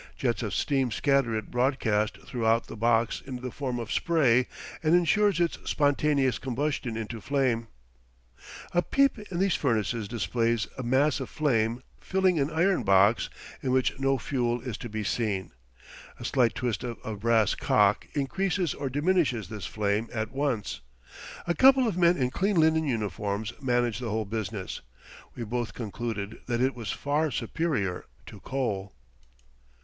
Jets of steam scatter it broadcast throughout the box in the form of spray, and insures its spontaneous combustion into flame. A peep in these furnaces displays a mass of flame filling an iron box in which no fuel is to be seen. A slight twist of a brass cock increases or diminishes this flame at once. A couple of men in clean linen uniforms manage the whole business. We both concluded that it was far superior to coal.